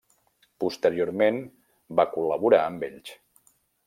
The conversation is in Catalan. Posteriorment, va col·laborar amb ells.